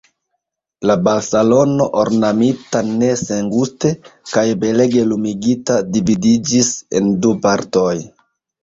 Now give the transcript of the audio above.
La balsalono, ornamita ne senguste, kaj belege lumigita, dividiĝis en du partoj.